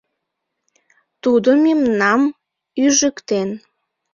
Тудо мемнам ӱжыктен.